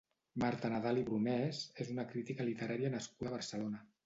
Marta Nadal i Brunès és una crítica literària nascuda a Barcelona.